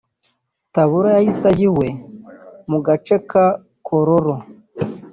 Tabura yahise ajya iwe mu gace ka Kololo